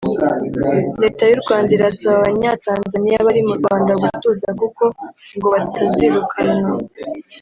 Leta y’u Rwanda irasaba Abanyatanzania bari mu Rwanda gutuza kuko ngo bo batazirukanwa